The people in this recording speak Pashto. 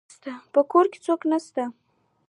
په کور کي څوک نسته